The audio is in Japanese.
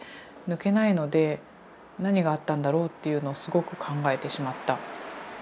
抜けないので何があったんだろう？っていうのをすごく考えてしまった。